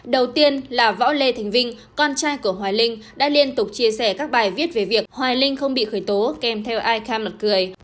đầu tiên là võ lê thành vinh con trai của hoài linh đã liên tục chia sẻ các bài viết về việc hoài linh không bị khởi tố kèm theo ai kham là cười